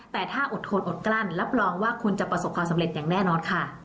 แต่ถ้าอดทนอดกลั้นรับรองว่าคุณจะประสบความสำเร็จอย่างแน่นอนค่ะ